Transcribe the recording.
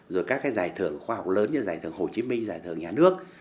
rồi các giải thưởng khoa học lớn như giải thưởng hồ chí minh giải thưởng nhà nước